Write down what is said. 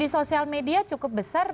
di sosial media cukup besar